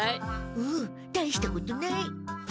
うんたいしたことない。